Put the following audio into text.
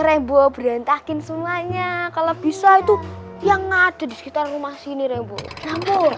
rembo berantakin semuanya kalau bisa itu yang ada di sekitar rumah sini rembo campur